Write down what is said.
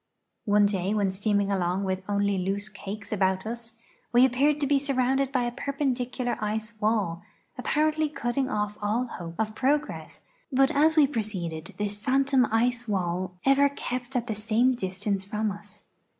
One day when steaming along with 'only loose cakes about us we appeared to be surrounded by a perpendicular ice wall, apparently cutting off all hope of progress, but as Ave proceeded this phantom ice wall ever kept at the same distance from us.